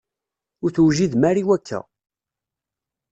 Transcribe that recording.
Ur tewjidem ara i wakka.